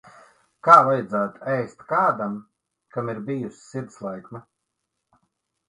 Kā vajadzētu ēst kādam, kam ir bijusi sirdslēkme?